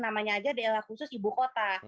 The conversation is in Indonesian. namanya aja dl khusus ibu kota